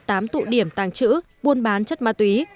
tám tụ điểm tàng trữ buôn bán chất ma túy